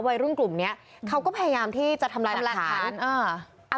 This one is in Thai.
วัยรุ่นกลุ่มเนี้ยเขาก็พยายามที่จะทำรักฐานเออ